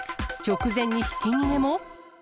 直前にひき逃げも？